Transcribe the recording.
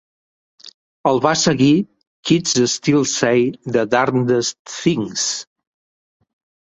El va seguir "Kids Still Say the Darndest Things!".